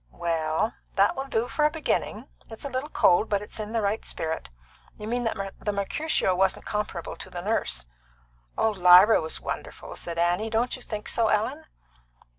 "Well, that will do for a beginning. It's a little cold, but it's in the right spirit. You mean that the Mercutio wasn't comparable to the Nurse." "Oh, Lyra was wonderful!" said Annie. "Don't you think so, Ellen?"